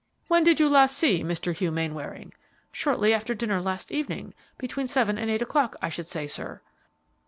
"When did you last see Mr. Hugh Mainwaring?" "Shortly after dinner last evening, between seven and eight o'clock, I should say, sir."